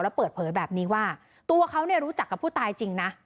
แล้วเปิดเผยแบบนี้ว่าตัวเขารู้จักกับผู้ตายจริงนะ